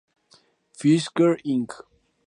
Fisker Inc.